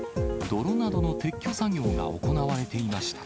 泥などの撤去作業が行われていました。